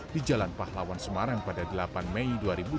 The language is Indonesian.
di jalan pahlawan semarang pada delapan mei dua ribu dua puluh